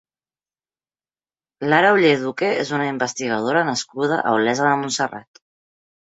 Lara Oller Duque és una investigadora nascuda a Olesa de Montserrat.